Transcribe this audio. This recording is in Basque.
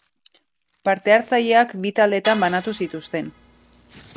Parte-hartzaileak bi taldetan banatu zituzten.